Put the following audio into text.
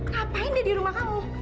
ngapain dia di rumah kamu